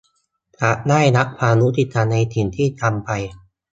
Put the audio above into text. จะได้รับความยุติธรรมในสิ่งที่ทำไป